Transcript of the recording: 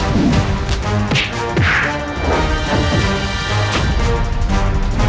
aku harus melakukannya